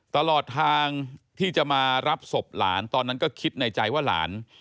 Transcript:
ตลอดทางที่จะมารับศพหลานตอนนั้นก็คิดในใจว่าหลาน